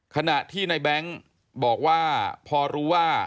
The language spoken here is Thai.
ขณะที่ในแบงค์บอกว่าพอรู้ว่า